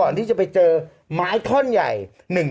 โอเคโอเคโอเค